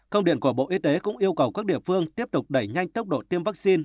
công điện của bộ y tế cũng yêu cầu các địa phương tiếp tục đẩy nhanh tốc độ tiêm vaccine